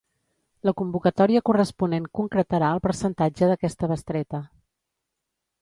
La convocatòria corresponent concretarà el percentatge d'aquesta bestreta.